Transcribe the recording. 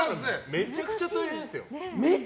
めちゃくちゃ大変ですよ。